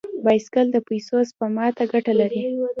بایسکل د پیسو سپما ته ګټه لري.